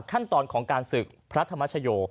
ขั้นตอนของการศึกพระธรรมชโย